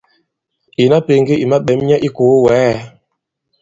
Ìna pēŋge i maɓɛ̌m nyɛ i ikòo wɛ̌ɛ!